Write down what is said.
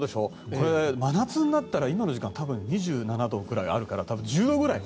これ、真夏になったら今の時間多分、２７度ぐらいあるから１０ぐらい。